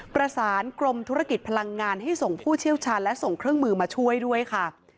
ประสานกรมธุรกิจพลังงานให้ส่งผู้เชี่ยวชาญและส่งเครื่องมือมาช่วยด้วยค่ะ